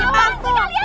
apaan sih kalian